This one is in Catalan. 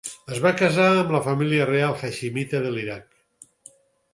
Es va casar amb la família reial haiximita de l'Iraq.